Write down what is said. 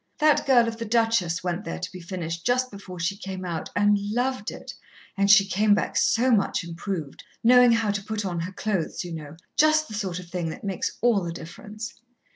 That girl of the Duchess went there to be finished just before she came out, and loved it, and she came back so much improved knowing how to put on her clothes, you know ... just the sort of thing that makes all the difference."